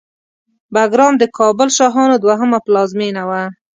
بګرام د کابل شاهانو دوهمه پلازمېنه وه